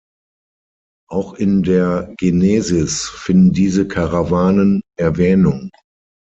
Auch in der Genesis finden diese Karawanen Erwähnung.